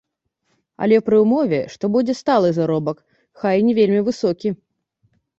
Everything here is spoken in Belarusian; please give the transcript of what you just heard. Але пры ўмове, што будзе сталы заробак, хай і не вельмі высокі.